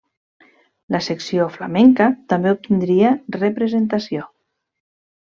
La secció flamenca també obtindria representació.